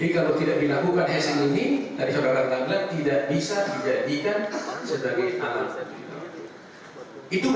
jadi kalau tidak dilakukan hes ing ini tadi sobara kita bilang tidak bisa dijadikan sebagai analisis